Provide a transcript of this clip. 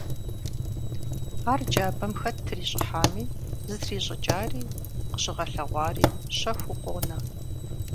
Ар джабэм хэт трищӀыхьами, зытращӀыкӀари къыщыгъэлъэгъуари щэхуу къонэ.